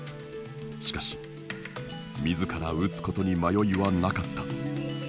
しかし自ら打つことに迷いはなかった。